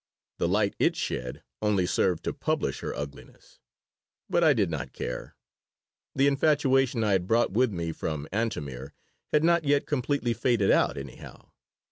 The light it shed only served to publish her ugliness. But I did not care. The infatuation I had brought with me from Antomir had not yet completely faded out, anyhow.